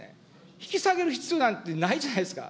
引き下げる必要なんてないじゃないですか。